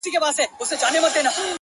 حرص او تمه او غرور سترګي ړندې کړي -